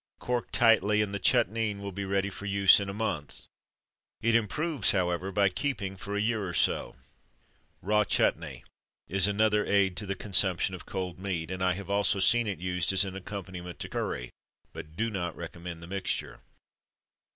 Cork tightly, and the chutnine will be ready for use in a month. It improves, however, by keeping for a year or so. Raw Chutnee is another aid to the consumption of cold meat, and I have also seen it used as an accompaniment to curry, but do not recommend the mixture.